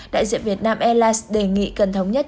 đại diện việt nam e last đề nghị cần thống nhất